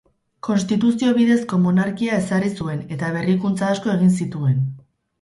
Konstituzio bidezko monarkia ezarri zuen eta berrikuntza asko egin zituen.